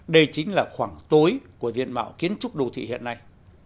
đây chính là khoảng tối của diện mạo kiến trúc đô thị hiện nay